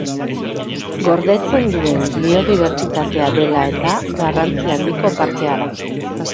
Gordetzen duen biodibertsitatea dela eta, garrantzi handiko parkea da.